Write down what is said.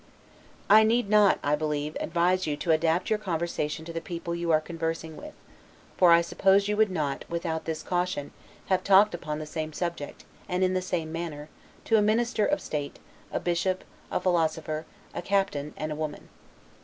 I need not (I believe) advise you to adapt your conversation to the people you are conversing with: for I suppose you would not, without this caution, have talked upon the same subject, and in the same manner, to a minister of state, a bishop, a philosopher, a captain, and a woman.